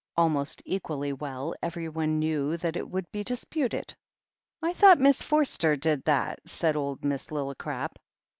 Almost equally well, everyone knew that it would be disputed. "I thought Miss Forster did that," said old Miss Lillicrap.